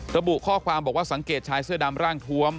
ระบุข้อความบอกว่าสังเกตชายเสื้อดำร่างทวม